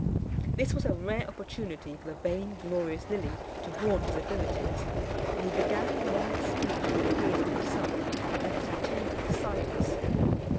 This was a rare opportunity for the vainglorious Lilly to vaunt his abilities; and he began a long speech in praise of himself and his pretended science.